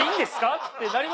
って。